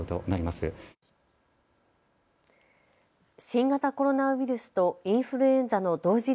新型コロナウイルスとインフルエンザの同時